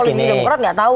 polisi demokrat gak tahu